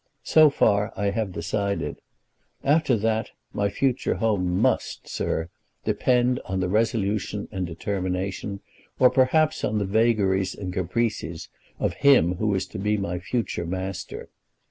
So far I have decided. After that my future home must, sir, depend on the resolution and determination, or perhaps on the vagaries and caprices, of him who is to be my future master.